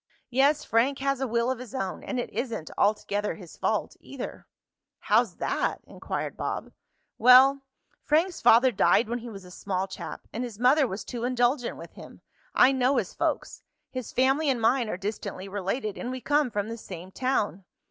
Yes, Frank has a will of his own, and it isn't altogether his fault, either." "How's that?" inquired Bob. "Well, Frank's father died when he was a small chap, and his mother was too indulgent with him. I know his folks. His family and mine are distantly related, and we come from the same town.